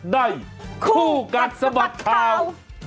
ในคู่กัดสมัครข่าว